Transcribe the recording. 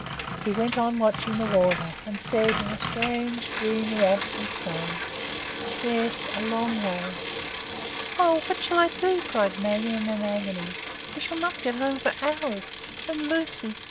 He went on watching the water, and said, in a strange, dreamy, absent tone, "Yes, a long way." "Oh, what shall I do?" cried Maggie, in an agony. "We shall not get home for hours, and Lucy?